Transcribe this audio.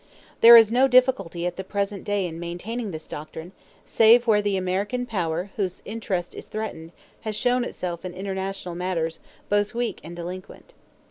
There is no difficulty at the present day in maintaining this doctrine, save where the American power whose interest is threatened has shown itself in international matters both weak and delinquent.